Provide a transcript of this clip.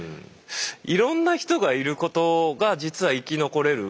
いろんな人がいることが実は生き残れる。